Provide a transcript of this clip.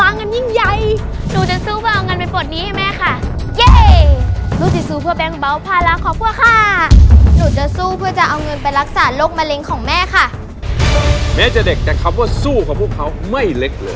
น้องสวยลูกต้องทำให้ได้